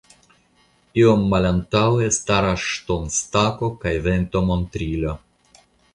Iom malantaŭe staras ŝtonstako kaj ventomontrilo.